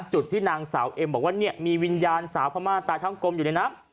ที่นางสาวเอ็มบอกว่าเนี่ยมีวิญญาณสาวพม่าตายทั้งกลมอยู่ในน้ำ